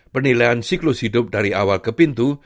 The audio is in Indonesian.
penilaian siklus hidup dari awal ke pintu